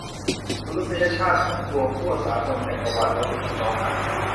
มนุษยชาติทั้งปวงทั่วสากลจักรวาลล้วนเป็นพี่น้องกัน